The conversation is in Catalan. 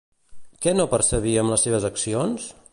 Què no percebia amb les seves accions?